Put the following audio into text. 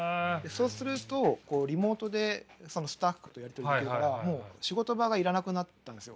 そうするとこうリモートでそのスタッフとやり取りできるからもう仕事場が要らなくなったんですよ。